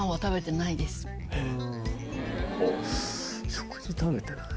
食事食べてない。